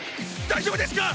大丈夫ですか！？